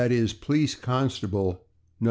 Police Constable No.